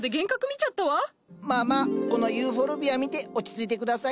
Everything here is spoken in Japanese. まあまあこのユーフォルビア見て落ち着いて下さい。